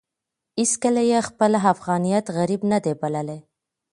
هېڅکله يې خپل افغانيت غريب نه دی بللی.